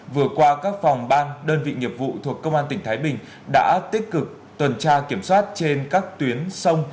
vừa qua các phòng ban đơn vị nghiệp vụ thuộc công an tỉnh thái bình đã tích cực tuần tra kiểm soát trên các tuyến sông